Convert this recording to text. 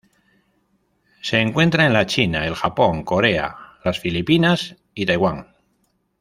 Se encuentra en la China, el Japón, Corea, las Filipinas y Taiwán.